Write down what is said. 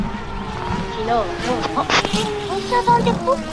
一九九九年被重庆市人民政府列为重庆市小城镇建设试点镇。